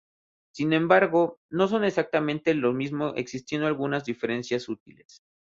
Sin embargo, no son exactamente lo mismo existiendo algunas diferencias sutiles.